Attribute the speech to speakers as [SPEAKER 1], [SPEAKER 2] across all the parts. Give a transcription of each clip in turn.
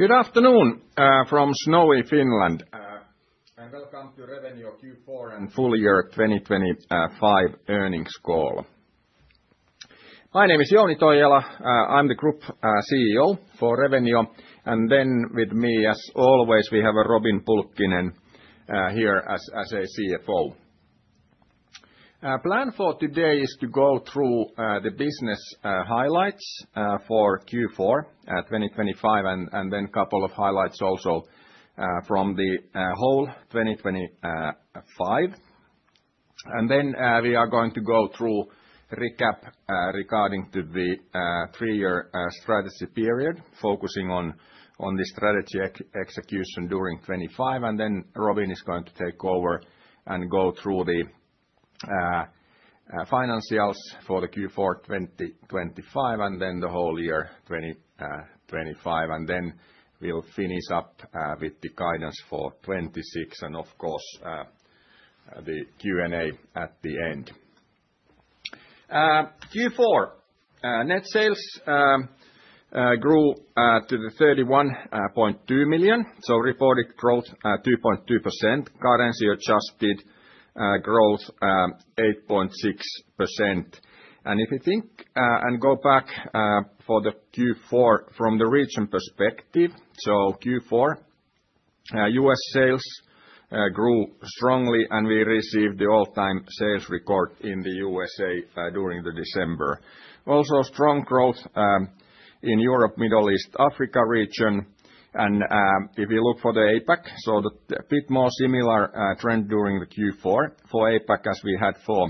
[SPEAKER 1] Good afternoon, from snowy Finland, and welcome to Revenio Q4 and full year 2025 earnings call. My name is Jouni Toijala. I'm the Group CEO for Revenio, and then with me, as always, we have Robin Pulkkinen, here as a CFO. Plan for today is to go through the business highlights for Q4 2025, and then couple of highlights also from the whole 2025. And then we are going to go through recap regarding to the three-year strategy period, focusing on the strategy execution during 25. And then Robin is going to take over and go through the financials for the Q4 2025, and then the whole year 2025. Then we'll finish up with the guidance for 2026 and, of course, the Q&A at the end. Q4 net sales grew to 31.2 million, so reported growth 2.2%, currency adjusted growth 8.6%. And if you think and go back for the Q4 from the region perspective, so Q4 US sales grew strongly, and we received the all-time sales record in the USA during December. Also, strong growth in Europe, Middle East, Africa region. And if you look for the APAC, so a bit more similar trend during the Q4 for APAC as we had for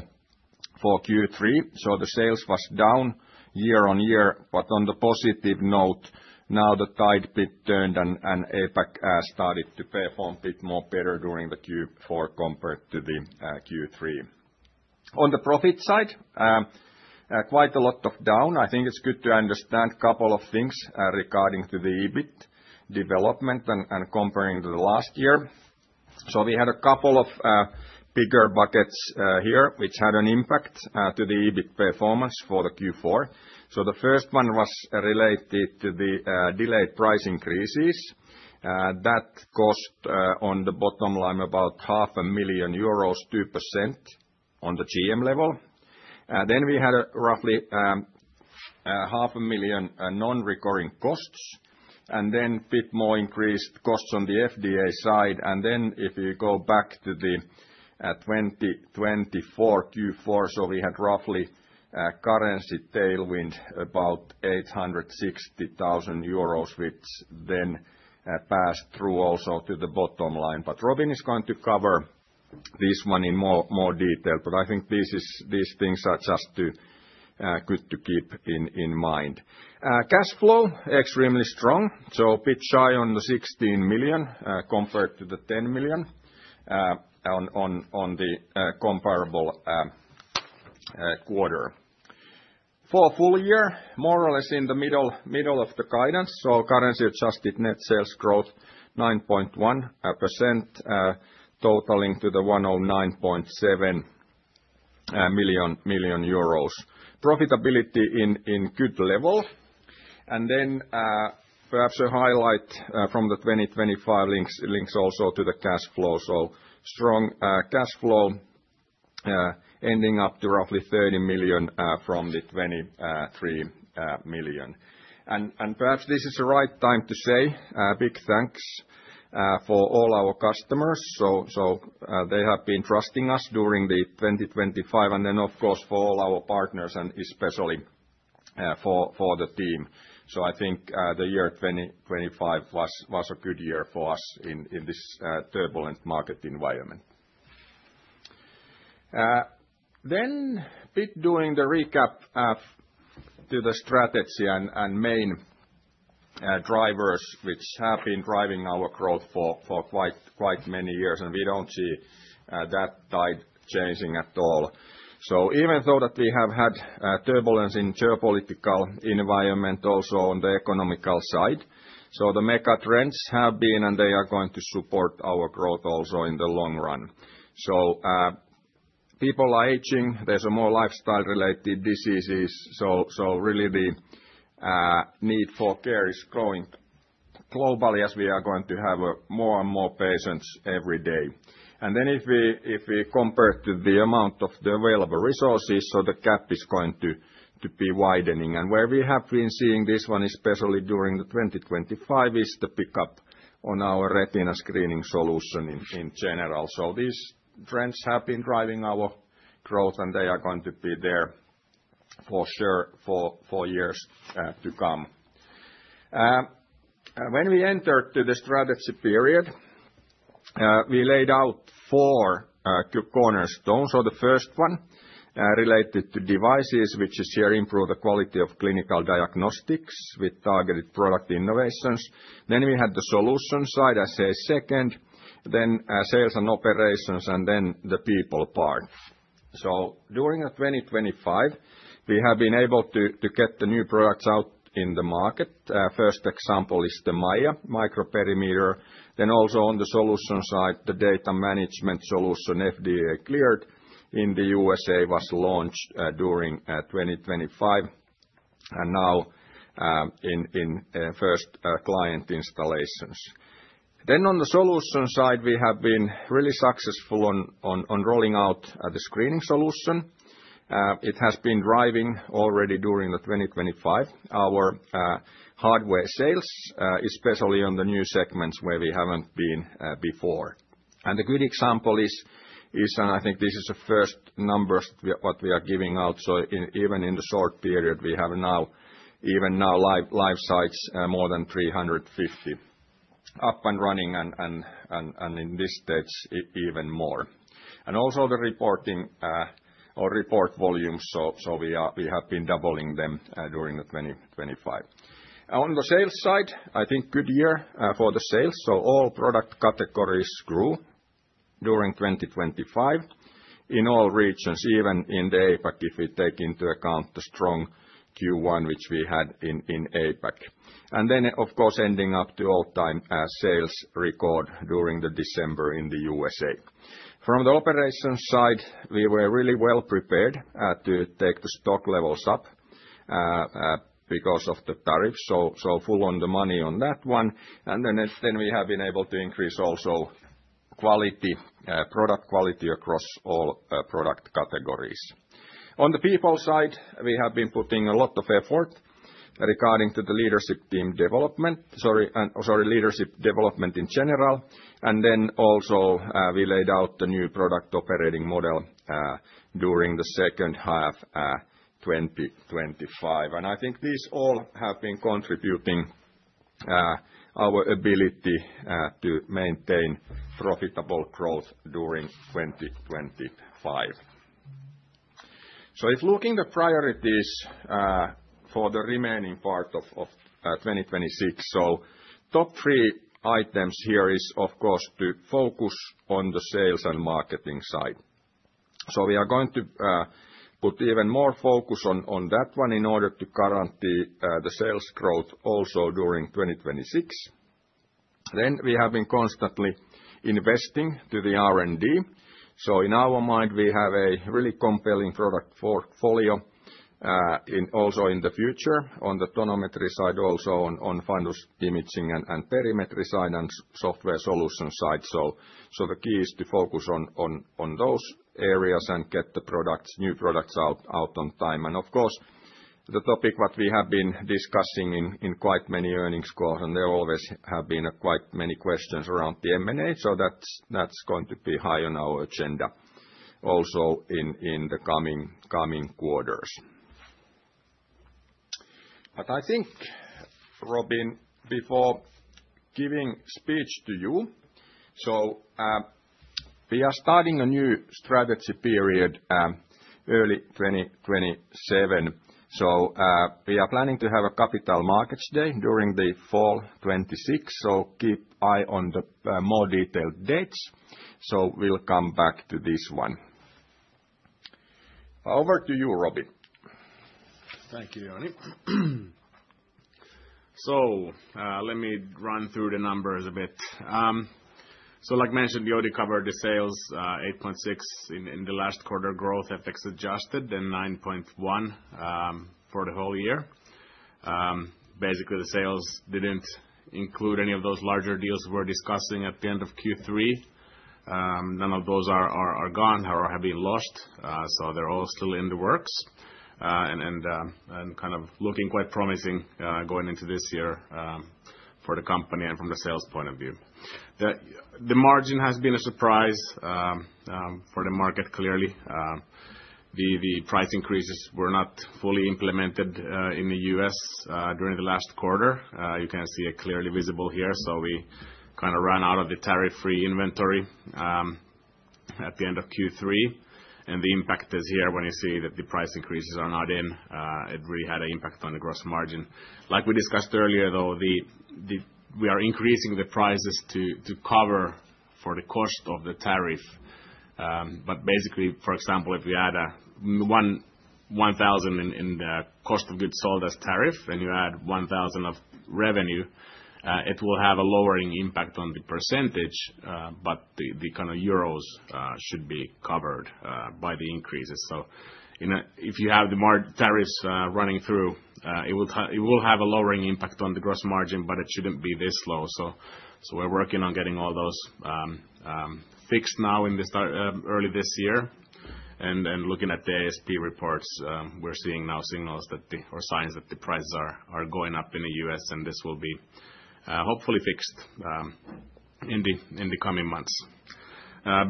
[SPEAKER 1] Q3. So the sales was down year on year, but on the positive note, now the tide bit turned and, and APAC started to perform bit more better during the Q4 compared to the Q3. On the profit side, quite a lot of down. I think it's good to understand couple of things regarding to the EBIT development and, and comparing to the last year. So we had a couple of bigger buckets here, which had an impact to the EBIT performance for the Q4. So the first one was related to the delayed price increases. That cost on the bottom line about 500,000 euros, 2% on the GM level. Then we had roughly half a million non-recurring costs, and then bit more increased costs on the FDA side. Then if you go back to the 2024 Q4, so we had roughly currency tailwind of about 860,000 euros, which then passed through also to the bottom line. But Robin is going to cover this one in more detail, but I think this is—these things are just too good to keep in mind. Cash flow, extremely strong, so a bit shy of the 16 million compared to the 10 million on the comparable quarter. For full year, more or less in the middle of the guidance, so currency-adjusted net sales growth 9.1%, totaling to the 109.7 million. Profitability in good level. And then, perhaps a highlight from the 2025 links, links also to the cash flow. So strong cash flow ending up to roughly 30 million from the 23 million. And perhaps this is the right time to say a big thanks for all our customers. So they have been trusting us during 2025, and then, of course, for all our partners and especially for the team. So I think the year 2025 was a good year for us in this turbulent market environment. Then bit doing the recap to the strategy and main drivers, which have been driving our growth for quite many years, and we don't see that tide changing at all. So even though we have had turbulence in the geopolitical environment, also on the economical side, the mega trends have been, and they are going to support our growth also in the long run. So people are aging, there's more lifestyle-related diseases, so really the need for care is growing globally as we are going to have more and more patients every day. And then if we compare to the amount of the available resources, the gap is going to be widening. And where we have been seeing this one, especially during 2025, is the pickup on our retina screening solution in general. So these trends have been driving our growth, and they are going to be there for sure, for years to come. When we entered to the strategy period, we laid out four cornerstones. So the first one related to devices, which is here, improve the quality of clinical diagnostics with targeted product innovations. Then we had the solution side as a second, then sales and operations, and then the people part. So during 2025, we have been able to get the new products out in the market. First example is the MAIA microperimeter, then also on the solution side, the Data Management Solution, FDA cleared in the USA, was launched during 2025. And now, in first client installations. Then on the solution side, we have been really successful on rolling out the screening solution. It has been driving already during 2025, our hardware sales, especially on the new segments where we haven't been before. And a good example is, and I think this is the first numbers we are giving out, so in even in the short period, we have now, even now, live sites more than 350 up and running, and in this stage, even more. And also the reporting or report volumes, so we have been doubling them during 2025. On the sales side, I think good year for the sales, so all product categories grew during 2025 in all regions, even in the APAC, if we take into account the strong Q1, which we had in APAC. And then, of course, ending up to all-time sales record during December in the USA. From the operations side, we were really well prepared to take the stock levels up because of the tariff, so full on the money on that one. And then we have been able to increase also quality product quality across all product categories. On the people side, we have been putting a lot of effort regarding to the leadership development in general. And then also we laid out the new product operating model during the second half, 2025. And I think these all have been contributing our ability to maintain profitable growth during 2025. So if looking the priorities for the remaining part of 2026, so top three items here is, of course, to focus on the sales and marketing side. So we are going to put even more focus on that one in order to guarantee the sales growth also during 2026. Then, we have been constantly investing to the R&D. So in our mind, we have a really compelling product portfolio, also in the future, on the Tonometry side, also on Fundus Imaging and Perimetry Side, and Software Solution Side. So the key is to focus on those areas and get the products, new products out on time. Of course, the topic what we have been discussing in quite many earnings calls, and there always have been quite many questions around the M&A, so that's going to be high on our agenda also in the coming quarters. But I think, Robin, before giving speech to you, we are starting a new strategy period early 2027. We are planning to have a Capital Markets Day during the fall 2026, so keep eye on the more detailed dates. So we'll come back to this one. Over to you, Robin.
[SPEAKER 2] Thank you, Jouni. So, let me run through the numbers a bit. So like mentioned, we already covered the sales, 8.6% in the last quarter growth, FX adjusted, then 9.1%, for the whole year. Basically, the sales didn't include any of those larger deals we're discussing at the end of Q3. None of those are gone or have been lost, so they're all still in the works, and kind of looking quite promising, going into this year, for the company and from the sales point of view. The margin has been a surprise for the market, clearly. The price increases were not fully implemented in the U.S. during the last quarter. You can see it clearly visible here. So we kind of ran out of the tariff-free inventory at the end of Q3, and the impact is here when you see that the price increases are not in. It really had an impact on the gross margin. Like we discussed earlier, though, we are increasing the prices to cover for the cost of the tariff. But basically, for example, if we add 1,000 in the cost of goods sold as tariff, and you add 1,000 of revenue, it will have a lowering impact on the percentage, but the kind of euros should be covered by the increases. So if you have the tariffs running through, it will have a lowering impact on the gross margin, but it shouldn't be this low. We're working on getting all those fixed now in the start early this year. And looking at the ASP reports, we're seeing now signals or signs that the prices are going up in the U.S., and this will be hopefully fixed in the coming months.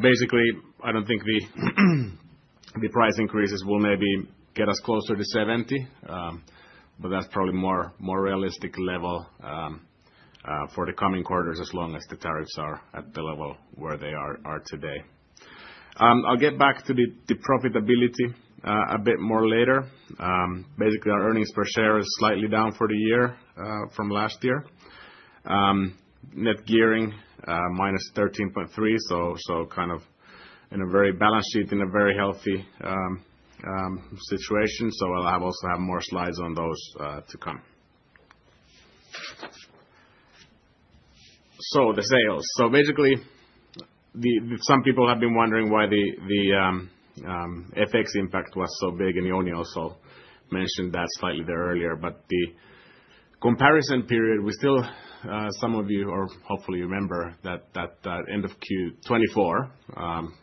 [SPEAKER 2] Basically, I don't think the price increases will maybe get us closer to 70, but that's probably more realistic level for the coming quarters, as long as the tariffs are at the level where they are today. I'll get back to the profitability a bit more later. Basically, our earnings per share is slightly down for the year from last year. Net gearing -13.3, so kind of in a very balance sheet, in a very healthy situation. So I also have more slides on those to come. So the sales. So basically, some people have been wondering why the FX impact was so big, and Jouni also mentioned that slightly there earlier. But the comparison period, we still, some of you hopefully remember that end of Q4 2024,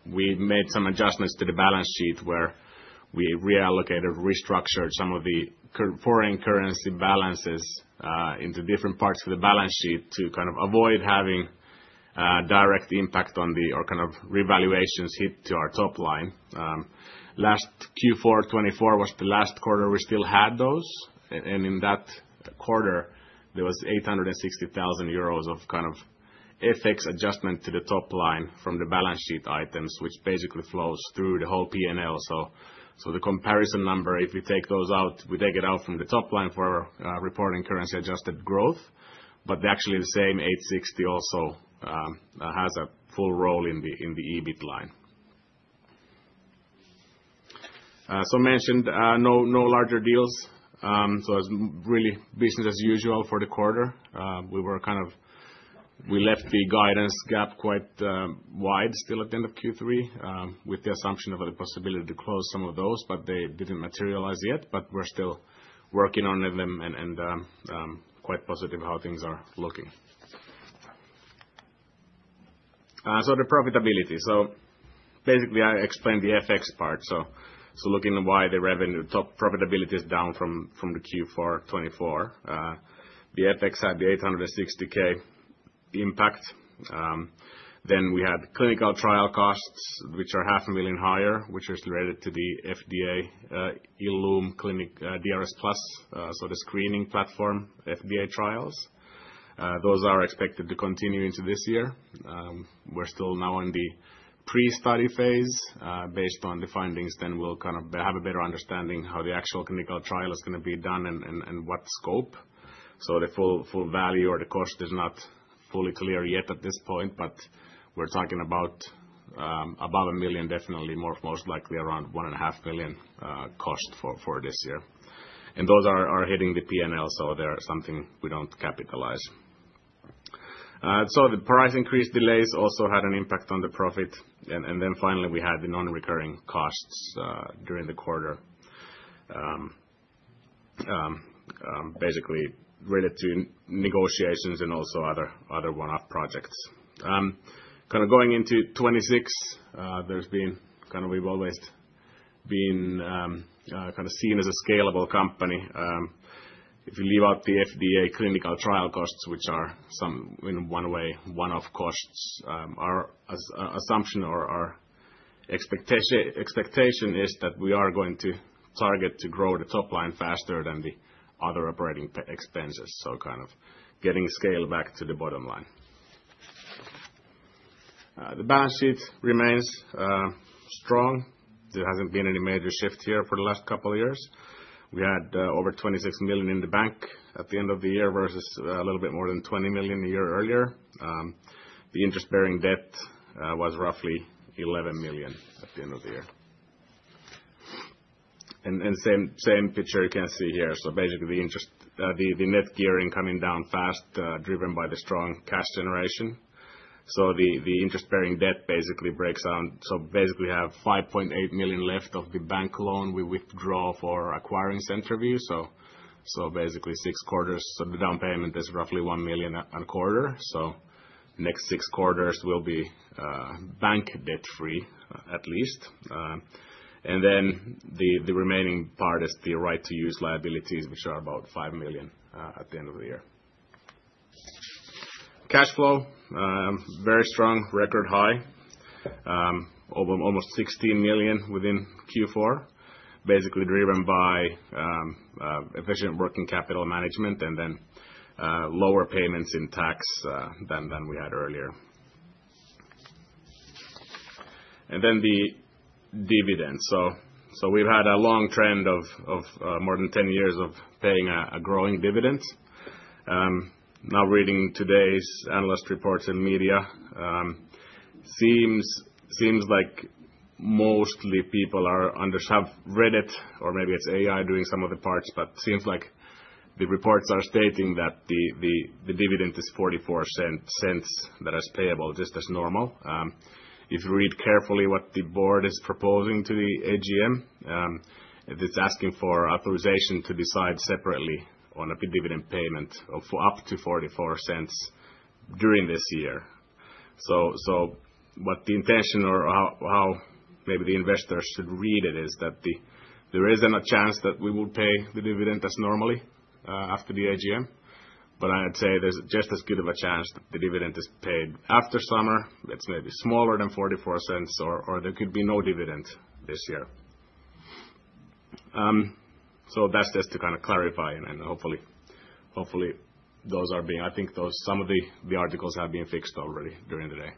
[SPEAKER 2] we made some adjustments to the balance sheet where we reallocated, restructured some of the foreign currency balances into different parts of the balance sheet to kind of avoid having direct impact on the or kind of revaluations hit to our top line. Last Q4 2024 was the last quarter we still had those, and in that quarter, there was 860,000 euros of kind of FX adjustment to the top line from the balance sheet items, which basically flows through the whole P&L. So, the comparison number, if we take those out, we take it out from the top line for reporting currency-adjusted growth, but actually the same 860 also has a full role in the EBIT line. So mentioned, no larger deals. So it's really business as usual for the quarter. We left the guidance gap quite wide still at the end of Q3, with the assumption of the possibility to close some of those, but they didn't materialize yet, but we're still working on them and quite positive how things are looking. So the profitability. So basically, I explained the FX part. So looking at why the revenue top profitability is down from the Q4 2024. The FX had the 860,000 impact. Then we had clinical trial costs, which are 500,000 higher, which is related to the FDA, ILLUME clinical DRSplus, so the screening platform, FDA trials. Those are expected to continue into this year. We're still now in the pre-study phase. Based on the findings, then we'll kind of have a better understanding how the actual clinical trial is gonna be done and what scope. So the full value or the cost is not fully clear yet at this point, but we're talking about above 1 million, definitely, more most likely around 1.5 million cost for this year. And those are hitting the PNL, so they are something we don't capitalize. So the price increase delays also had an impact on the profit. And then finally, we had the non-recurring costs during the quarter, basically related to negotiations and also other one-off projects. Kind of going into 2026, there's been kind of we've always been kind of seen as a scalable company. If you leave out the FDA clinical trial costs, which are some, in one way, one-off costs, our assumption or our expectation is that we are going to target to grow the top line faster than the other operating expenses. So kind of getting scale back to the bottom line. The balance sheet remains strong. There hasn't been any major shift here for the last couple of years. We had over 26 million in the bank at the end of the year, versus a little bit more than 20 million a year earlier. The interest-bearing debt was roughly 11 million at the end of the year. And same picture you can see here. So basically, the interest, the net gearing coming down fast, driven by the strong cash generation. So the interest-bearing debt basically breaks down. So basically, we have 5.8 million left of the bank loan we withdraw for acquiring CenterVue. So basically, six quarters of the down payment is roughly 1 million a quarter. So next six quarters will be bank debt-free, at least. And then the remaining part is the right-of-use liabilities, which are about 5 million at the end of the year. Cash flow very strong, record high, over almost 16 million within Q4, basically driven by efficient working capital management and then lower payments in tax than we had earlier. And then the dividend. So we've had a long trend of more than 10 years of paying a growing dividend. Now reading today's analyst reports in media, seems like mostly people are underestimating it or have read it, or maybe it's AI doing some of the parts, but seems like the reports are stating that the dividend is 0.44, that is payable just as normal. If you read carefully what the board is proposing to the AGM, it is asking for authorization to decide separately on a dividend payment of up to 0.44 during this year. So what the intention or how maybe the investors should read it is that there isn't a chance that we will pay the dividend as normally after the AGM, but I'd say there's just as good of a chance that the dividend is paid after summer. That's maybe smaller than 0.44, or there could be no dividend this year. So that's just to kind of clarify, and then hopefully those are being fixed already during the day. I think some of the articles have been fixed already during the day.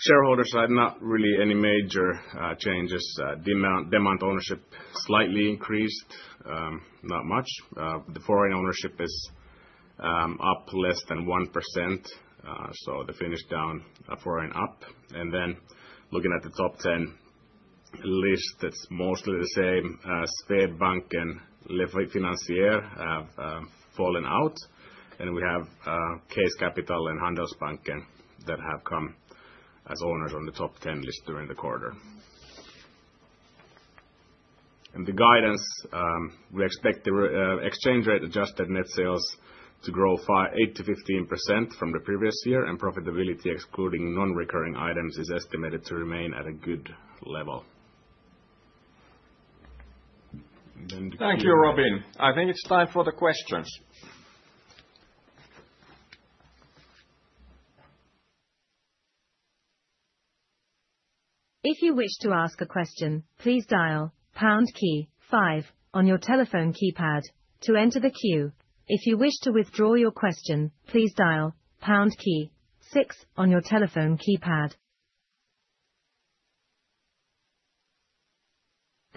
[SPEAKER 2] Shareholders have not really any major changes. Domestic ownership slightly increased, not much. The foreign ownership is up less than 1%, so the Finnish down, foreign up. And then, looking at the top ten list that's mostly the same as Swedbank and La Financière de l'Echiquier have fallen out, and we have Keel Capital and Handelsbanken that have come as owners on the top ten list during the quarter. And the guidance, we expect the exchange rate adjusted net sales to grow 8%-15% from the previous year, and profitability, excluding non-recurring items, is estimated to remain at a good level. Then-
[SPEAKER 1] Thank you, Robin. I think it's time for the questions.
[SPEAKER 3] If you wish to ask a question, please dial pound key five on your telephone keypad to enter the queue. If you wish to withdraw your question, please dial pound key six on your telephone keypad.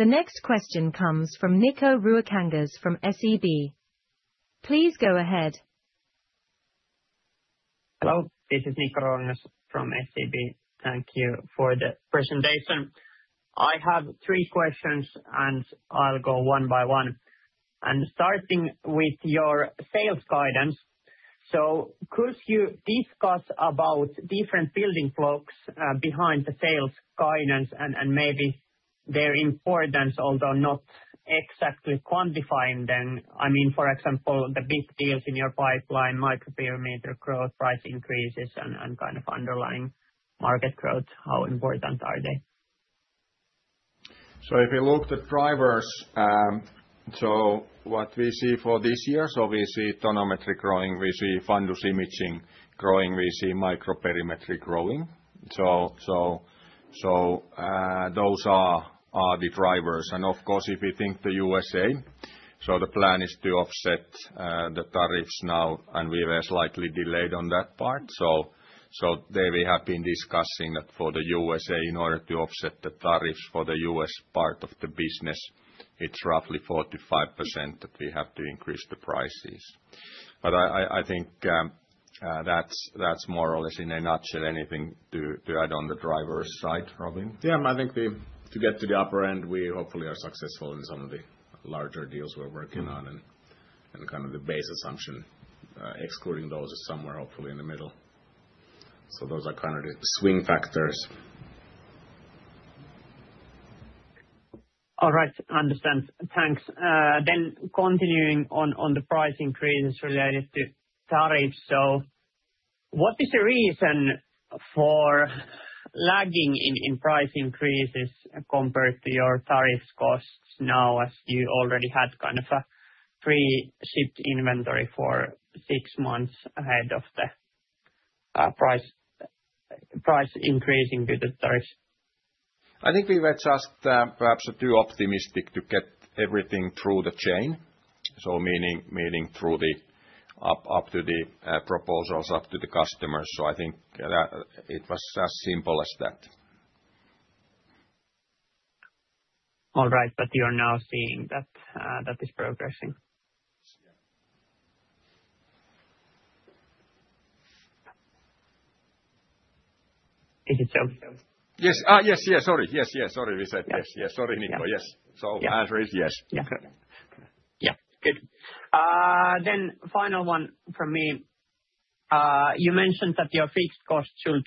[SPEAKER 3] The next question comes from Nikko Ruokangas from SEB. Please go ahead.
[SPEAKER 4] Hello, this is Nikko Ruokangas from SEB. Thank you for the presentation. I have three questions, and I'll go one by one. And starting with your sales guidance: So could you discuss about different building blocks behind the sales guidance and maybe their importance, although not exactly quantifying them? I mean, for example, the big deals in your pipeline, microperimetry growth, price increases, and kind of underlying market growth, how important are they?
[SPEAKER 1] So if you look at the drivers, so what we see for this year, so we see tonometry growing, we see fundus imaging growing, we see microperimetry growing. Those are the drivers. And of course, if you think of the USA, so the plan is to offset the tariffs now, and we were slightly delayed on that part. So there we have been discussing that for the USA, in order to offset the tariffs for the US part of the business, it's roughly 45% that we have to increase the prices. But I think that's more or less in a nutshell. Anything to add on the drivers' side, Robin?
[SPEAKER 2] Yeah, I think we, to get to the upper end, we hopefully are successful in some of the larger deals we're working on.
[SPEAKER 1] Mm-hmm.
[SPEAKER 2] Kind of the base assumption, excluding those, is somewhere hopefully in the middle. Those are kind of the swing factors.
[SPEAKER 4] All right, understand. Thanks. Then continuing on the price increases related to tariffs, so what is the reason for lagging in price increases compared to your tariff costs now, as you already had kind of a pre-shipped inventory for six months ahead of the price increase due to tariffs?
[SPEAKER 1] I think we were just perhaps too optimistic to get everything through the chain. So meaning through the up to the proposals up to the customers, so I think that it was as simple as that.
[SPEAKER 4] All right, but you are now seeing that, that is progressing?
[SPEAKER 1] Yeah.
[SPEAKER 4] Is it so?
[SPEAKER 1] Yes. Yes, yes. Sorry. Yes, yes. Sorry, we said yes.
[SPEAKER 4] Yes.
[SPEAKER 1] Yes. Sorry, Niko. Yes.
[SPEAKER 4] Yeah.
[SPEAKER 1] The answer is yes.
[SPEAKER 4] Yeah. Yeah, good. Then final one from me. You mentioned that your fixed costs should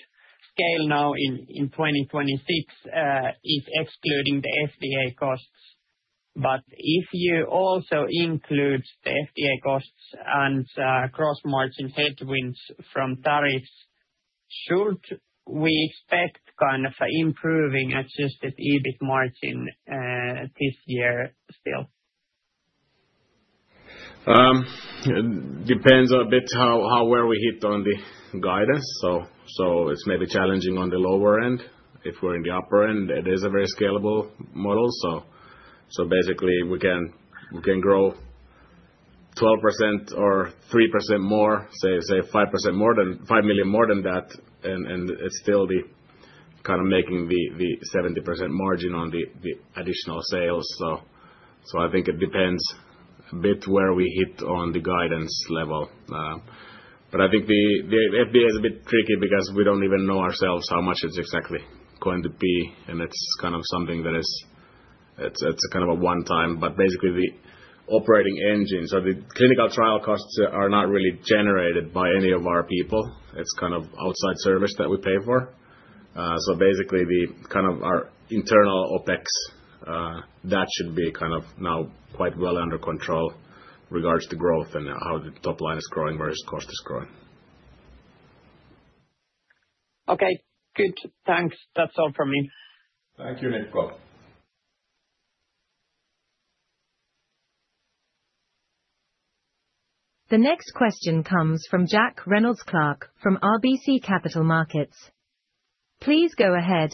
[SPEAKER 4] scale now in 2026, if excluding the FDA costs. But if you also include the FDA costs and gross-margin headwinds from tariffs, should we expect kind of improving adjusted EBIT margin this year, still?
[SPEAKER 2] Depends a bit how well we hit on the guidance. So it's maybe challenging on the lower end. If we're in the upper end, it is a very scalable model. So basically we can grow 12% or 3% more, say 5% more than five million more than that, and still be kind of making the 70% margin on the additional sales. So I think it depends a bit where we hit on the guidance level. But I think the FDA is a bit tricky because we don't even know ourselves how much it's exactly going to be, and it's kind of something that is, it's kind of a one time. But basically, the operating engines or the clinical trial costs are not really generated by any of our people. It's kind of outside service that we pay for. So basically, the kind of our internal OpEx, that should be kind of now quite well under control regards to growth and how the top line is growing versus cost is growing.
[SPEAKER 4] Okay, good. Thanks. That's all for me.
[SPEAKER 1] Thank you, Niko.
[SPEAKER 3] The next question comes from Jack Reynolds-Clark, from RBC Capital Markets. Please go ahead.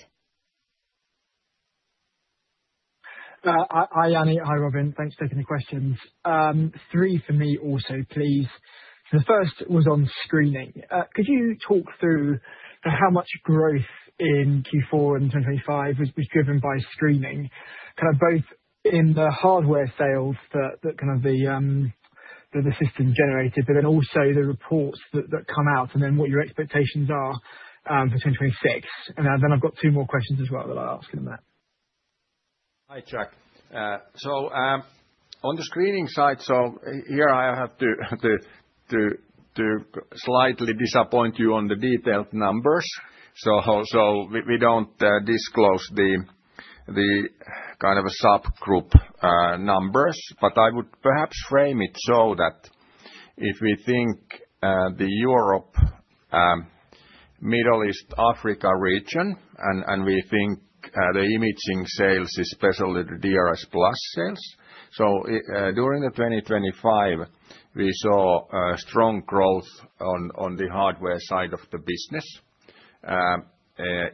[SPEAKER 5] Hi, Jouni. Hi, Robin. Thanks for taking the questions. Three for me also, please. The first was on screening. Could you talk through how much growth in Q4 and 2025 has been driven by screening, kind of both in the hardware sales that the system generated, but then also the reports that come out, and then what your expectations are for 2026. And then I've got two more questions as well that I'll ask in there.
[SPEAKER 1] Hi, Jack. So on the screening side, so here I have to to slightly disappoint you on the detailed numbers. So we don't disclose the kind of a subgroup numbers, but I would perhaps frame it so that if we think the Europe, Middle East, Africa region, and we think the imaging sales, especially the DRS plus sales. So during the 2025, we saw a strong growth on the hardware side of the business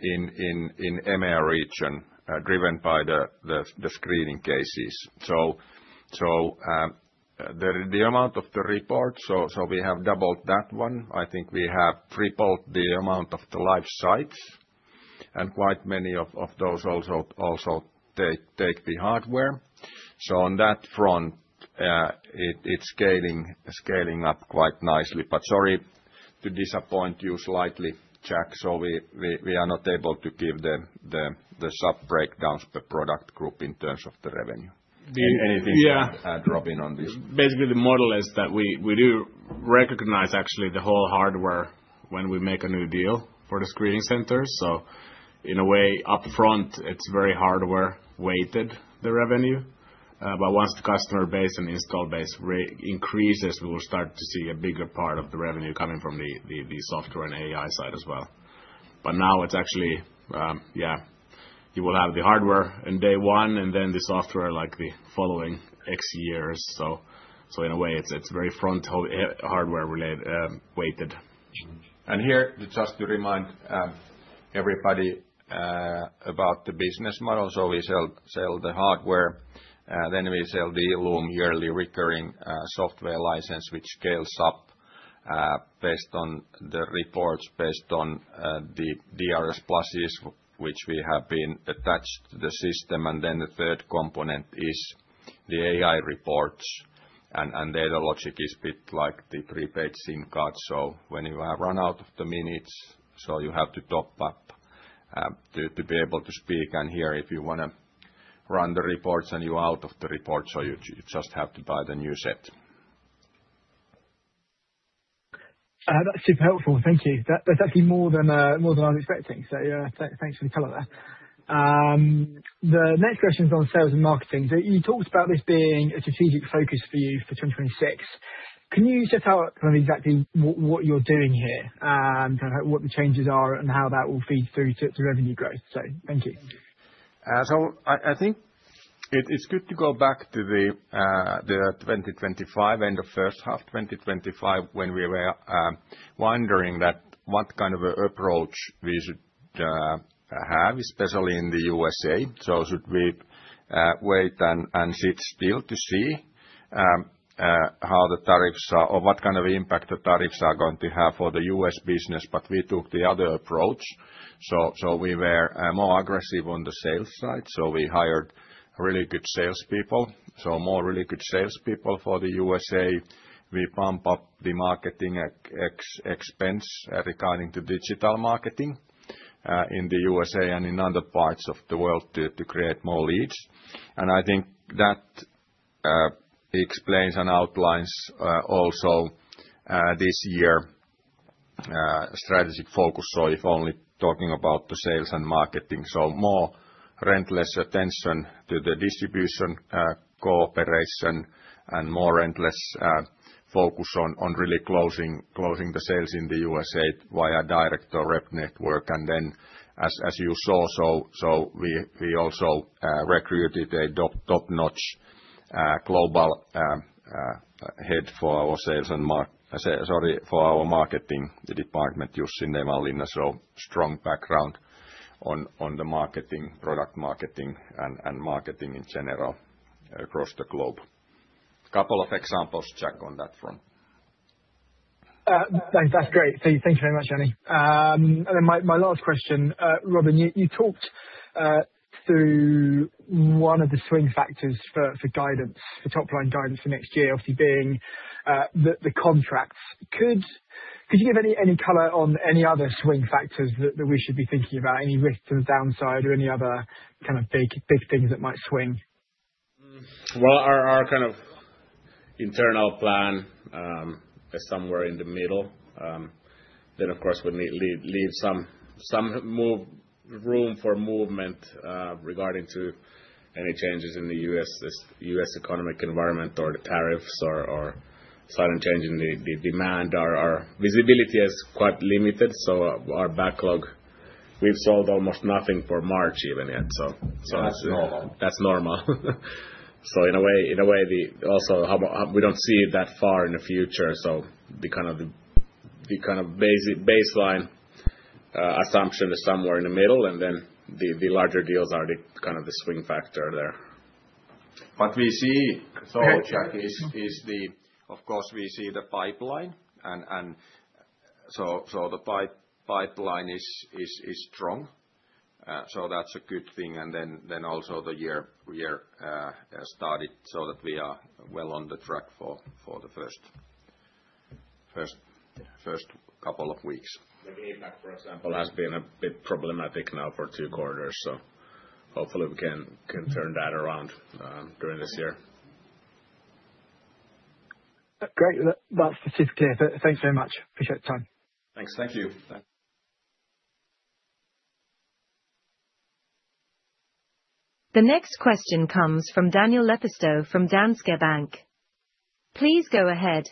[SPEAKER 1] in EMEA region, driven by the screening cases. So the amount of the report, so we have doubled that one. I think we have tripled the amount of the live sites, and quite many of those also take the hardware. So on that front, it's scaling up quite nicely. But sorry to disappoint you slightly, Jack. So we are not able to give the sub breakdowns per product group in terms of the revenue. Anything-
[SPEAKER 2] Yeah.
[SPEAKER 1] Add, Robin, on this?
[SPEAKER 2] Basically, the model is that we, we do recognize actually the whole hardware when we make a new deal for the screening center. So in a way, upfront, it's very hardware-weighted, the revenue. But once the customer base and install base increases, we will start to see a bigger part of the revenue coming from the, the, the software and AI side as well. But now it's actually, yeah, you will have the hardware in day one, and then the software, like, the following X years. So, so in a way, it's, it's very hardware-related, weighted.
[SPEAKER 1] And here, just to remind everybody about the business model. So we sell, sell the hardware, then we sell the ILLUME yearly recurring software license, which scales up based on the reports, based on the DRSplus, which we have been attached to the system. And then the third component is the AI reports, and the logic is a bit like the prepaid SIM card. So when you have run out of the minutes, so you have to top up to be able to speak and hear. If you wanna run the reports and you're out of the report, so you just have to buy the new set.
[SPEAKER 5] That's super helpful. Thank you. That's actually more than more than I was expecting. So, yeah, thanks for the color there. The next question is on sales and marketing. So you talked about this being a strategic focus for you for 2026. Can you set out kind of exactly what you're doing here, kind of what the changes are and how that will feed through to revenue growth? So thank you.
[SPEAKER 1] So I think it is good to go back to the 2025 and the first half 2025, when we were wondering that what kind of an approach we should have, especially in the USA. So should we wait and sit still to see how the tariffs are or what kind of impact the tariffs are going to have for the US business, but we took the other approach. So we were more aggressive on the sales side, so we hired really good salespeople, so more really good salespeople for the USA. We pump up the marketing expense regarding to digital marketing in the USA and in other parts of the world to create more leads. And I think that explains and outlines also this year strategic focus. So if only talking about the sales and marketing, so more rent, less attention to the distribution, cooperation, and more rent, less focus on really closing the sales in the USA via direct or rep network. And then as you saw, so we also recruited a top-notch global head for our sales and marketing department, sorry, for our marketing department, Jussi Niemeläinen. So strong background on the marketing, product marketing and marketing in general across the globe. Couple of examples, Jack, on that front.
[SPEAKER 5] Thanks. That's great. Thank you very much, Jouni. Then my last question, Robin, you talked through one of the swing factors for guidance, for top line guidance for next year, obviously being the contracts. Could you give any color on any other swing factors that we should be thinking about? Any risks on the downside or any other kind of big things that might swing?
[SPEAKER 2] Well, our kind of internal plan is somewhere in the middle. Then, of course, we leave some room for movement regarding to any changes in the US economic environment or the tariffs or sudden change in the demand. Our visibility is quite limited, so our backlog. We've sold almost nothing for March even yet. So,
[SPEAKER 1] That's normal.
[SPEAKER 2] That's normal. So in a way, in a way, also, how about, we don't see that far in the future, so the kind of, the kind of baseline assumption is somewhere in the middle, and then the larger deals are the kind of the swing factor there.
[SPEAKER 1] We see, so Jack, of course we see the pipeline, and the pipeline is strong. So that's a good thing. And then also the year started so that we are well on the track for the first couple of weeks.
[SPEAKER 2] The impact, for example, has been a bit problematic now for two quarters, so hopefully we can turn that around during this year.
[SPEAKER 5] Great. Well, that's specifically clear. Thanks very much. Appreciate the time.
[SPEAKER 1] Thanks.
[SPEAKER 2] Thank you. Bye.
[SPEAKER 3] The next question comes from Daniel Lepistö from Danske Bank. Please go ahead.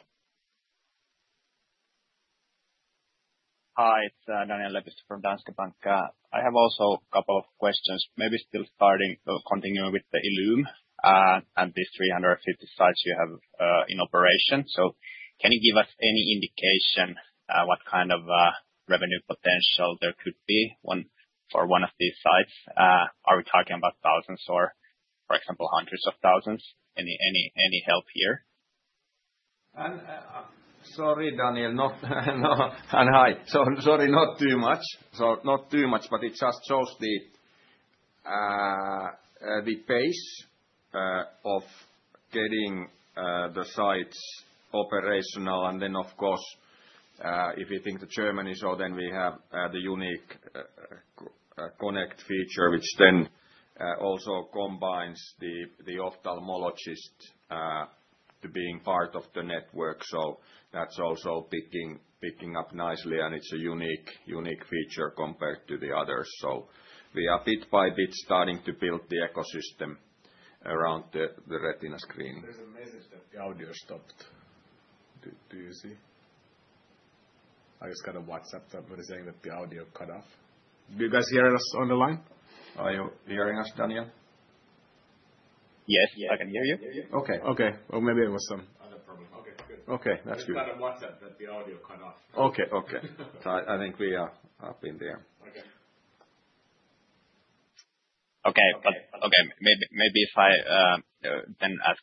[SPEAKER 6] Hi, it's Daniel Lepistö from Danske Bank. I have also a couple of questions, maybe still starting or continuing with the ILLUME, and these 350 sites you have in operation. So can you give us any indication what kind of revenue potential there could be, one for one of these sites? Are we talking about thousands or, for example, hundreds of thousands? Any help here?
[SPEAKER 1] Sorry, Daniel, not no, and hi. So sorry, not too much. So not too much, but it just shows the pace of getting the sites operational. And then, of course, if you think Germany, so then we have the unique connect feature, which then also combines the ophthalmologist to being part of the network. So that's also picking up nicely, and it's a unique feature compared to the others. So we are bit by bit starting to build the ecosystem around the retina screening.
[SPEAKER 2] There's a message that the audio stopped. Do you see? I just got a WhatsApp somebody saying that the audio cut off. Do you guys hear us on the line?
[SPEAKER 1] Are you hearing us, Daniel?
[SPEAKER 6] Yes, yeah, I can hear you.
[SPEAKER 1] Okay. Okay. Well, maybe it was some-
[SPEAKER 2] Other problem. Okay, good.
[SPEAKER 1] Okay, that's good.
[SPEAKER 2] I just got a WhatsApp that the audio cut off.
[SPEAKER 1] Okay, okay. So I, I think we are up in the air.
[SPEAKER 2] Okay.
[SPEAKER 6] Okay. But, okay, maybe if I then ask,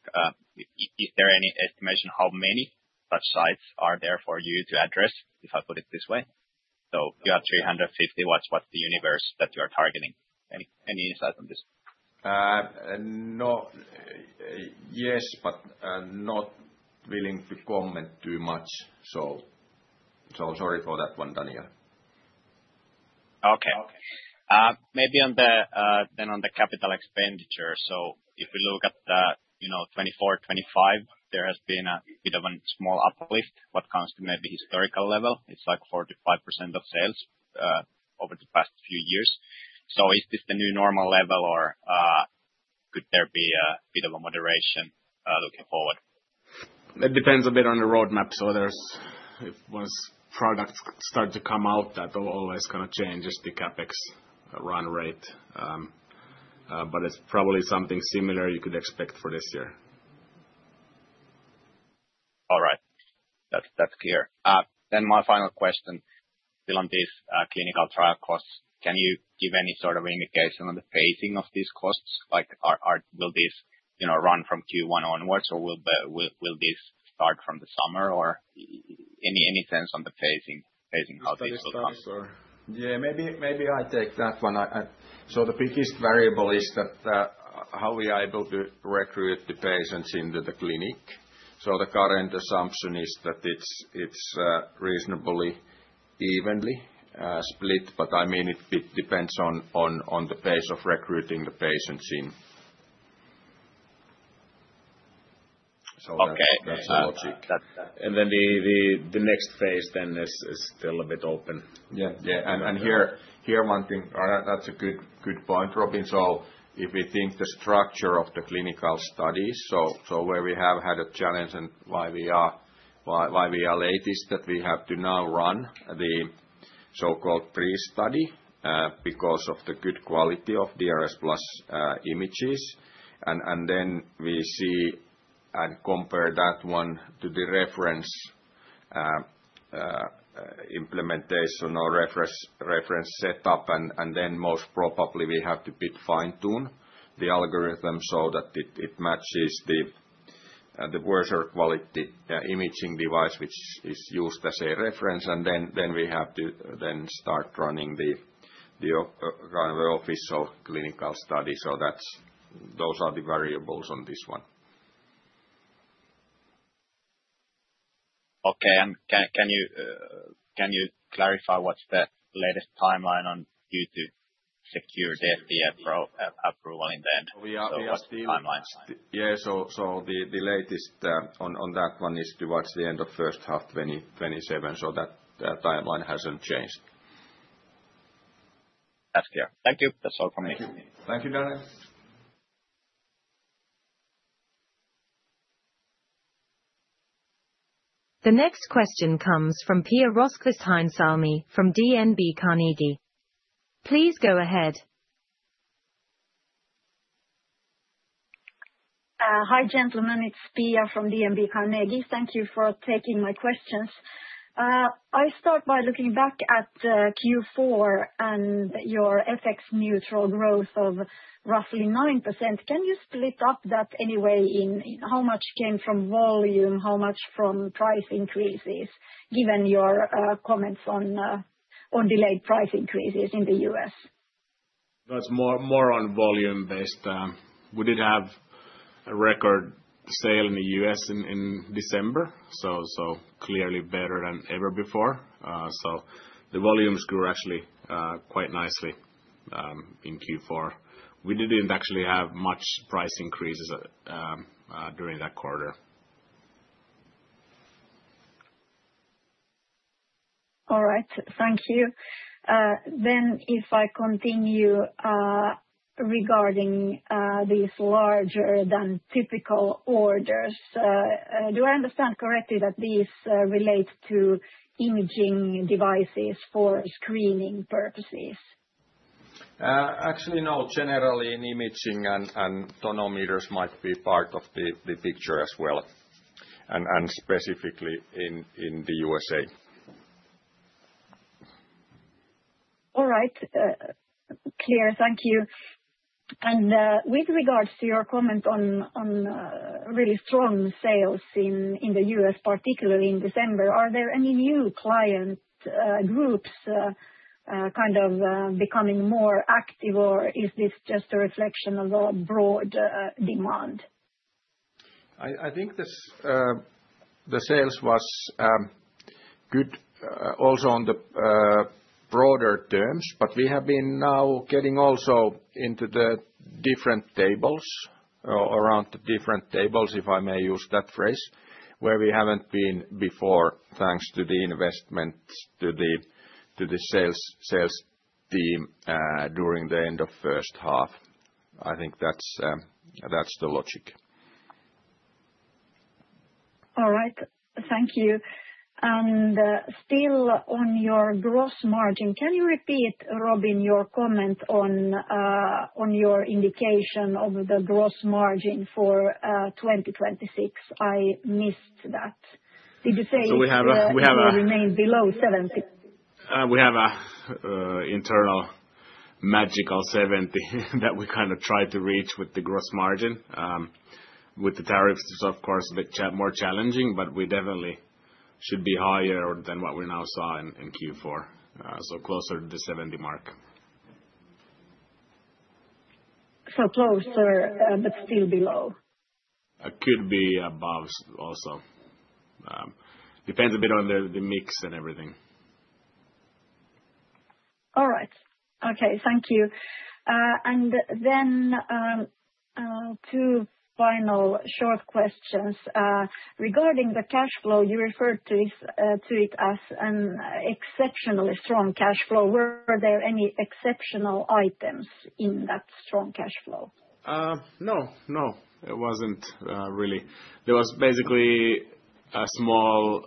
[SPEAKER 6] is there any estimation how many such sites are there for you to address, if I put it this way? So you have 350. What's the universe that you are targeting? Any insight on this?
[SPEAKER 1] No. Yes, but, not willing to comment too much. So, so sorry for that one, Daniel.
[SPEAKER 6] Okay. Maybe on the, then on the capital expenditure. So if we look at the, you know, 2024, 2025, there has been a bit of a small uplift when it comes to maybe historical level. It's like 45% of sales, over the past few years. So is this the new normal level, or, could there be a bit of a moderation, looking forward?
[SPEAKER 2] It depends a bit on the roadmap. So there's, once products start to come out, that always gonna change just the CapEx run rate. But it's probably something similar you could expect for this year.
[SPEAKER 6] All right. That's, that's clear. Then my final question, still on these clinical trial costs, can you give any sort of indication on the pacing of these costs? Like, will this, you know, run from Q1 onwards, or will this start from the summer, or any sense on the pacing, how this will run?
[SPEAKER 2] Study costs or?
[SPEAKER 1] Yeah, maybe, maybe I take that one. So the biggest variable is that how we are able to recruit the patients into the clinic. So the current assumption is that it's reasonably evenly split, but I mean, it depends on the pace of recruiting the patients in. So that's-
[SPEAKER 6] Okay.
[SPEAKER 1] That's the logic.
[SPEAKER 2] And then the next phase then is still a bit open.
[SPEAKER 1] Yeah, yeah. And here one thing. That's a good point, Robin. So if we think the structure of the clinical studies, so where we have had a challenge and why we are late, that we have to now run the so-called pre-study because of the good quality of the DRSplus images. And then we see and compare that one to the reference implementation or reference setup, and then most probably we have to fine-tune the algorithm so that it matches the reference quality imaging device, which is used as a reference. And then we have to start running the official clinical study. So that's those are the variables on this one.
[SPEAKER 6] Okay. Can you clarify what's the latest timeline on you to secure the FDA approval in the end?
[SPEAKER 1] We are still-
[SPEAKER 6] What's the timeline?
[SPEAKER 1] Yeah, so the latest on that one is towards the end of first half 2027, so that the timeline hasn't changed.
[SPEAKER 6] That's clear. Thank you. That's all from me.
[SPEAKER 1] Thank you, Daniel.
[SPEAKER 3] The next question comes from Pia Rosqvist-Heinsalmi, from DNB Carnegie. Please go ahead.
[SPEAKER 7] Hi, gentlemen. It's Pia from DNB Carnegie. Thank you for taking my questions. I start by looking back at Q4 and your FX neutral growth of roughly 9%. Can you split up that any way, in, in how much came from volume, how much from price increases, given your comments on on delayed price increases in the U.S.?
[SPEAKER 2] That's more on volume based. We did have a record sale in the US in December, so clearly better than ever before. So the volumes grew actually quite nicely in Q4. We didn't actually have much price increases during that quarter.
[SPEAKER 7] All right. Thank you. If I continue, regarding these larger-than-typical orders, do I understand correctly that these relate to imaging devices for screening purposes?
[SPEAKER 2] Actually, no. Generally, in imaging and tonometers might be part of the picture as well, and specifically in the USA.
[SPEAKER 7] All right. Clear, thank you. And with regards to your comment on really strong sales in the U.S., particularly in December, are there any new client groups kind of becoming more active, or is this just a reflection of a broad demand?
[SPEAKER 2] I think this, the sales was good also on the broader terms, but we have been now getting also into the different tables, or around the different tables, if I may use that phrase, where we haven't been before, thanks to the investments to the, to the sales, sales team during the end of first half. I think that's the logic.
[SPEAKER 7] All right. Thank you. Still on your gross margin, can you repeat, Robin, your comment on, on your indication of the gross margin for 2026? I missed that. Did you say-
[SPEAKER 2] So we have a-
[SPEAKER 7] It will remain below 70?
[SPEAKER 2] We have a internal magical 70 that we kind of try to reach with the gross margin. With the tariffs, it's of course a bit more challenging, but we definitely should be higher than what we now saw in Q4, so closer to the 70 mark.
[SPEAKER 7] So closer, but still below?
[SPEAKER 2] It could be above also. Depends a bit on the mix and everything.
[SPEAKER 7] All right. Okay. Thank you. And then, two final short questions. Regarding the cash flow, you referred to this, to it as an exceptionally strong cash flow. Were there any exceptional items in that strong cash flow?
[SPEAKER 2] No, no, it wasn't really. There was basically a small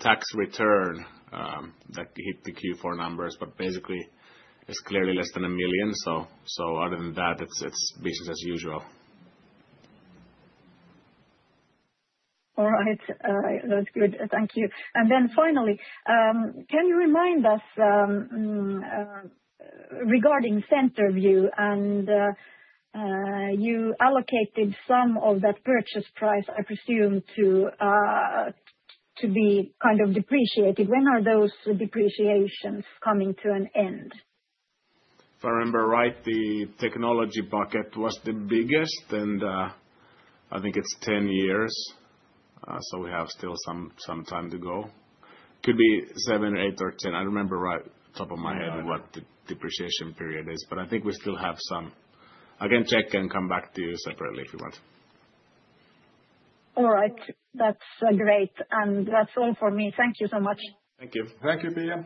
[SPEAKER 2] tax return that hit the Q4 numbers, but basically, it's clearly less than 1 million. So, other than that, it's business as usual.
[SPEAKER 7] All right. That's good. Thank you. And then finally, can you remind us, regarding CenterVue, and, you allocated some of that purchase price, I presume, to, to be kind of depreciated. When are those depreciations coming to an end?
[SPEAKER 2] If I remember right, the technology bucket was the biggest, and I think it's 10 years, so we have still some time to go. Could be seven, eight, or 10. I don't remember right top of my head what the depreciation period is, but I think we still have some. I can check and come back to you separately if you want.
[SPEAKER 7] All right. That's great. And that's all for me. Thank you so much.
[SPEAKER 2] Thank you.
[SPEAKER 1] Thank you, Pia.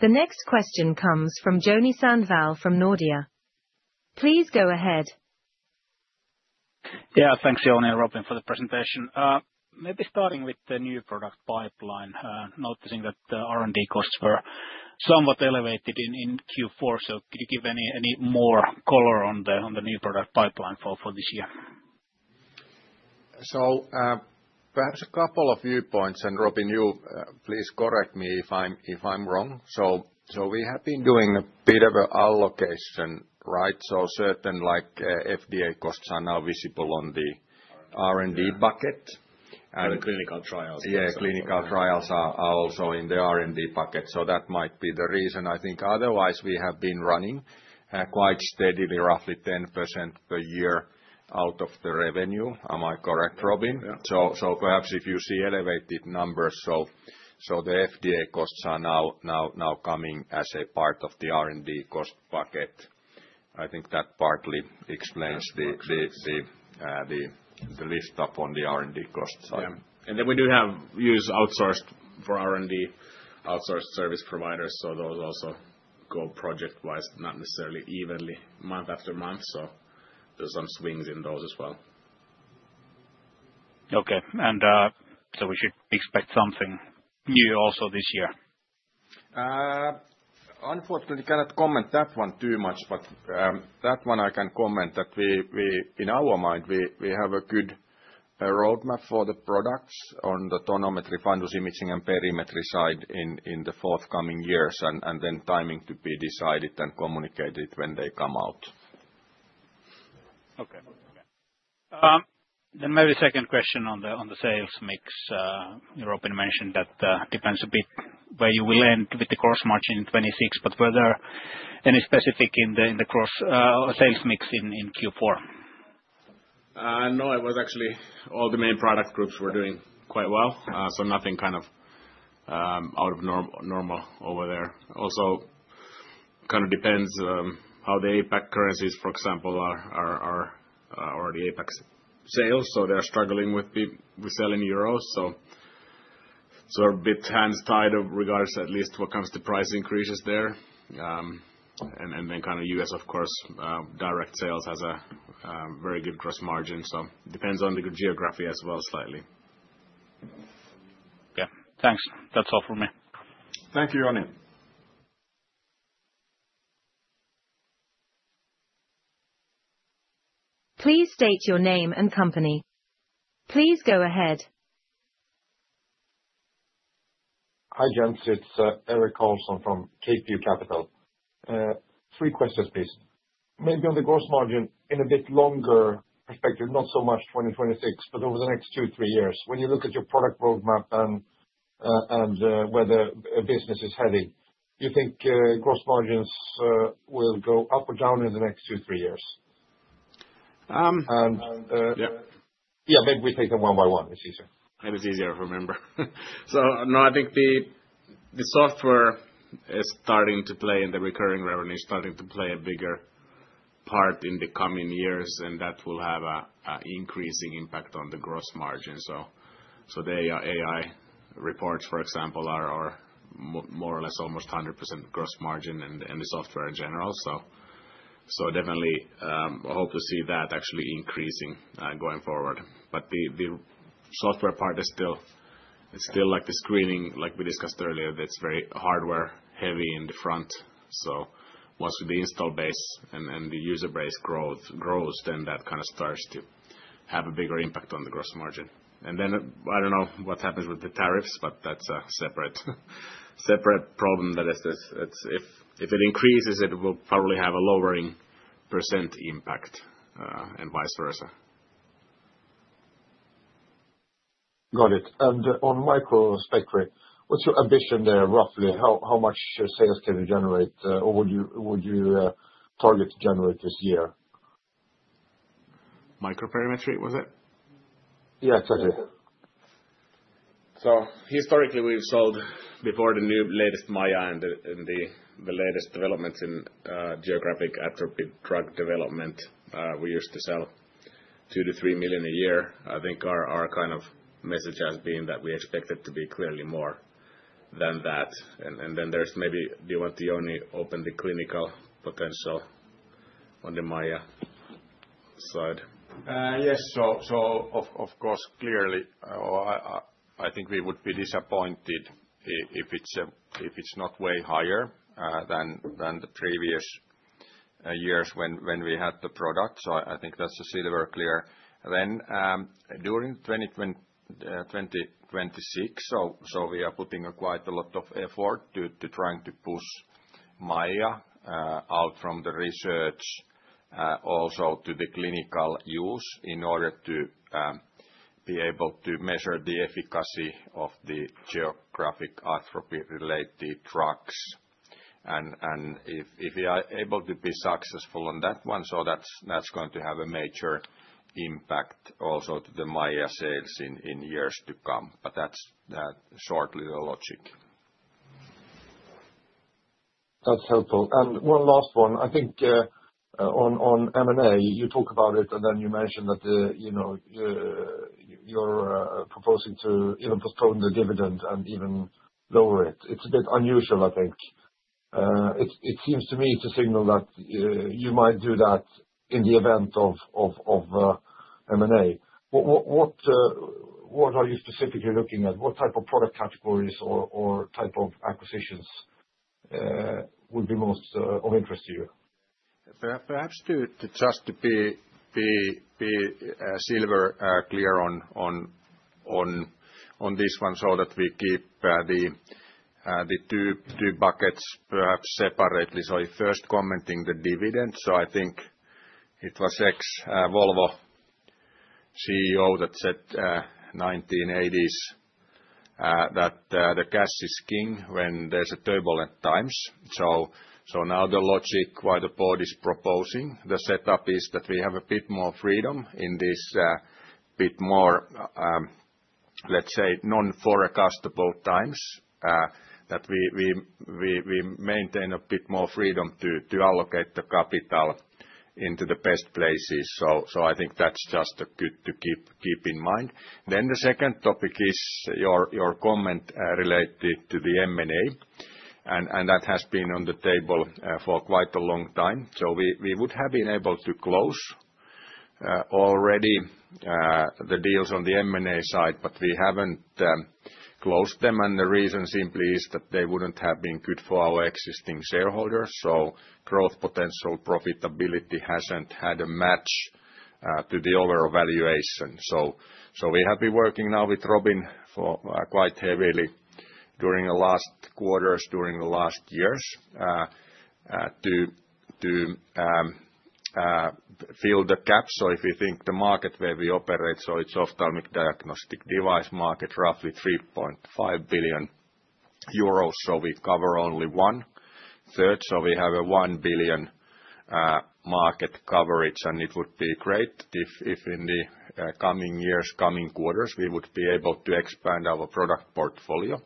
[SPEAKER 3] The next question comes from Joni Sandvall from Nordea. Please go ahead.
[SPEAKER 8] Yeah, thanks, Jouni and Robin, for the presentation. Maybe starting with the new product pipeline, noticing that the R&D costs were somewhat elevated in Q4, so could you give any more color on the new product pipeline for this year?
[SPEAKER 1] So, perhaps a couple of viewpoints, and Robin, you please correct me if I'm wrong. So we have been doing a bit of reallocation, right? So certain, like, FDA costs are now visible on the R&D bucket, and-
[SPEAKER 2] The clinical trials. Yeah, clinical trials are also in the R&D bucket, so that might be the reason. I think otherwise, we have been running quite steadily, roughly 10% per year out of the revenue. Am I correct, Robin? Yeah. So, perhaps if you see elevated numbers, the FDA costs are now coming as a part of the R&D cost bucket. I think that partly explains the- Yes
[SPEAKER 1] The list up on the R&D cost side.
[SPEAKER 2] Yeah. Then we do use outsourced for R&D, outsourced service providers, so those also go project-wise, not necessarily evenly month after month, so there's some swings in those as well.
[SPEAKER 8] Okay. And, so we should expect something new also this year?
[SPEAKER 1] Unfortunately, cannot comment that one too much, but that one I can comment that we, in our mind, we have a good roadmap for the products on the tonometry fundus imaging and perimetry side in the forthcoming years, and then timing to be decided and communicated when they come out.
[SPEAKER 8] Then maybe second question on the, on the sales mix, you already mentioned that, depends a bit where you will end with the gross margin in 2026, but were there any specific in the, in the cross sales mix in Q4?
[SPEAKER 2] No, it was actually all the main product groups were doing quite well. So nothing kind of out of normal over there. Also, kind of depends how the APAC currencies, for example, are or the APAC sales. So they're struggling with selling euros, so a bit hands tied in regards, at least what comes to price increases there. And then kind of US, of course, direct sales has a very good gross margin, so depends on the good geography as well, slightly.
[SPEAKER 8] Yeah. Thanks. That's all for me.
[SPEAKER 2] Thank you, Joni.
[SPEAKER 3] Please state your name and company. Please go ahead.
[SPEAKER 9] Hi, gents. It's Erik Karlsson from Keel Capital. Three questions, please. Maybe on the gross margin in a bit longer perspective, not so much 2026, but over the next two, three years. When you look at your product roadmap and and where the business is heading, do you think gross margins will go up or down in the next two, three years?
[SPEAKER 2] Um-
[SPEAKER 9] Yeah, maybe we take them one by one, it's easier.
[SPEAKER 2] It's easier to remember. No, I think the software is starting to play, and the recurring revenue is starting to play a bigger part in the coming years, and that will have a increasing impact on the gross margin. The AI reports, for example, are more or less almost 100% gross margin and the software in general. Definitely hope to see that actually increasing going forward. But the software part is still, it's still like the screening, like we discussed earlier, that's very hardware heavy in the front. So once the install base and the user base growth grows, then that kind of starts to have a bigger impact on the gross margin. Then, I don't know what happens with the tariffs, but that's a separate problem. That is, it's if it increases, it will probably have a lowering % impact, and vice versa.
[SPEAKER 9] Got it. And on microperimetry, what's your ambition there, roughly? How much sales can you generate, or would you target to generate this year?
[SPEAKER 2] Microperimetry, was it?
[SPEAKER 9] Yeah, exactly.
[SPEAKER 2] So historically, we've sold before the new latest MAIA and the latest developments in geographic atrophy drug development. We used to sell 2-3 million a year. I think our kind of message has been that we expect it to be clearly more than that. And then there's maybe, do you want to only open the clinical potential on the MAIA side?
[SPEAKER 1] Yes. So, of course, clearly, I think we would be disappointed if it's not way higher than the previous years when we had the product. So I think that's still very clear. Then, during 2026, so we are putting quite a lot of effort to trying to push MAIA out from the research also to the clinical use in order to be able to measure the efficacy of the geographic atrophy-related drugs. And if we are able to be successful on that one, so that's going to have a major impact also to the MAIA sales in years to come. But that's, that shortly, the logic.
[SPEAKER 9] That's helpful. And one last one. I think on M&A, you talked about it, and then you mentioned that, you know, you're proposing to, you know, postpone the dividend and even lower it. It's a bit unusual, I think. It seems to me to signal that you might do that in the event of M&A. What are you specifically looking at? What type of product categories or type of acquisitions would be most of interest to you?
[SPEAKER 1] Perhaps to just be absolutely clear on this one, so that we keep the two buckets perhaps separately. So first, commenting the dividend. So I think it was ex-Volvo CEO that said, in the 1980s, that the cash is king when there's turbulent times. So now the logic why the board is proposing the setup is that we have a bit more freedom in this bit more, let's say, non-forecastable times. That we maintain a bit more freedom to allocate the capital into the best places. So I think that's just good to keep in mind. Then the second topic is your comment related to the M&A, and that has been on the table for quite a long time. So we would have been able to close already the deals on the M&A side, but we haven't closed them, and the reason simply is that they wouldn't have been good for our existing shareholders. So growth potential profitability hasn't had a match to the overall valuation. So we have been working now with Robin for quite heavily during the last quarters, during the last years, to fill the gap. So if you think the market where we operate, so it's ophthalmic diagnostic device market, roughly 3.5 billion euros, so we cover only one-third. So we have a 1 billion market coverage, and it would be great if, if in the coming years, coming quarters, we would be able to expand our product portfolio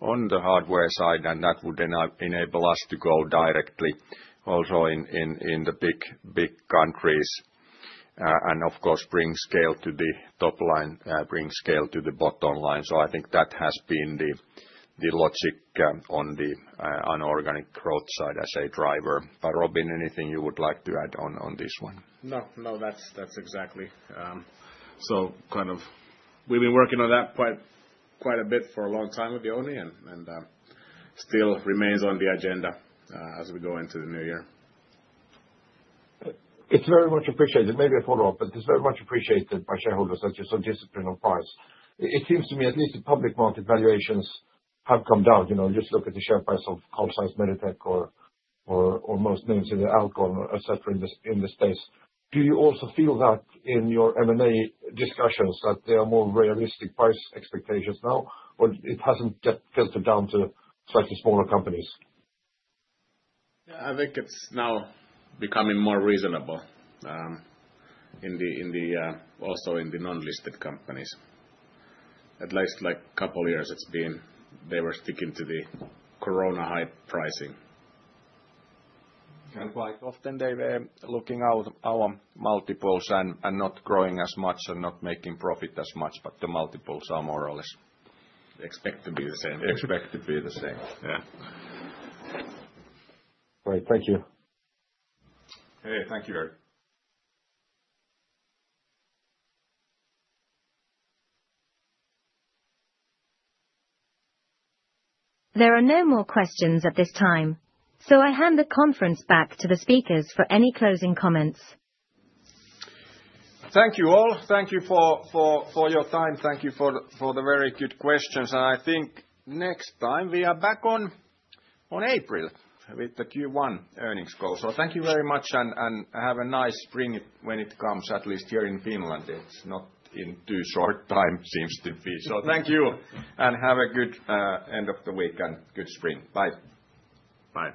[SPEAKER 1] on the hardware side, and that would then enable us to go directly also in, in, in the big, big countries, and of course bring scale to the top line, bring scale to the bottom line. So I think that has been the, the logic on the organic growth side as a driver. But Robin, anything you would like to add on, on this one?
[SPEAKER 2] No, no, that's, that's exactly. So kind of we've been working on that quite, quite a bit for a long time with Jouni, and still remains on the agenda, as we go into the new year.
[SPEAKER 9] It's very much appreciated. Maybe a follow-up, but it's very much appreciated by shareholders that you're so disciplined on price. It seems to me at least the public market valuations have come down. You know, just look at the share price of Carl Zeiss Meditec or most names in the ocular, et cetera, in the space. Do you also feel that in your M&A discussions, that they are more realistic price expectations now, or it hasn't yet filtered down to slightly smaller companies?
[SPEAKER 2] Yeah, I think it's now becoming more reasonable, in the also in the non-listed companies. At least like couple years, it's been they were sticking to the corona high pricing.
[SPEAKER 1] Quite often they were looking at our multiples and not growing as much and not making profit as much, but the multiples are more or less-
[SPEAKER 2] Expected to be the same.
[SPEAKER 1] Expected to be the same, yeah.
[SPEAKER 9] Great. Thank you.
[SPEAKER 2] Hey, thank you very.
[SPEAKER 3] There are no more questions at this time, so I hand the conference back to the speakers for any closing comments.
[SPEAKER 1] Thank you, all. Thank you for your time, thank you for the very good questions. And I think next time we are back on April with the Q1 earnings call. So thank you very much, and have a nice spring when it comes, at least here in Finland, it's not in too short time, seems to be. So thank you, and have a good end of the week and good spring. Bye.
[SPEAKER 2] Bye.